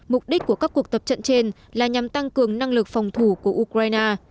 mục đích của các cuộc tập trận trên là nhằm tăng cường năng lực phòng thủ của ukraine